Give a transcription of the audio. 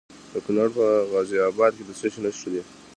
د کونړ په غازي اباد کې د څه شي نښې دي؟